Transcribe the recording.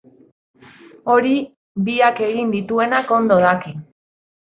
Hori biak egin dituenak ondo daki.